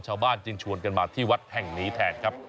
ชาวบ้านจึงชวนกันมาที่วัดแห่งนี้แทนครับ